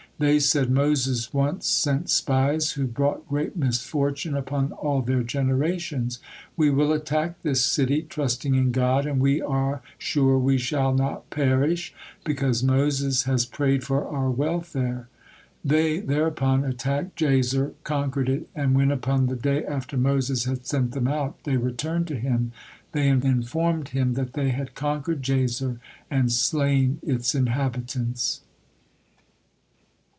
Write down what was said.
They said: "Moses once sent spies who brought great misfortune upon all their generations, we will attack this city, trusting in God, and we are sure we shall not perish, because Moses has prayed for our welfare." They thereupon attacked Jazer, conquered it, and when upon the day after Moses had sent them out they returned to him, they informed him that they had conquered Jazer and slain its inhabitants.